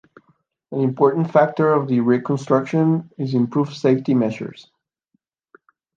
An important factor of the reconstruction is the improved safety measures.